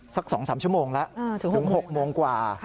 สัก๒๓ชั่วโมงแล้วถึง๖โมงกว่า